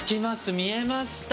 見えました。